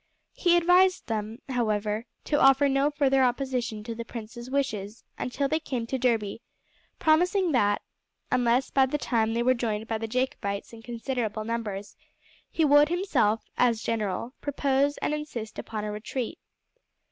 He advised them, however, to offer no further opposition to the prince's wishes until they came to Derby, promising that, unless by that time they were joined by the Jacobites in considerable numbers, he would himself, as general, propose and insist upon a retreat.